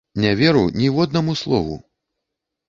Не веру ніводнаму слову!